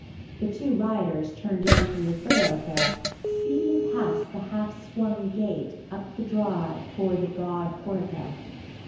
The two riders turned in from the thoroughfare, speeding past the half swung gate up the drive toward the broad portico.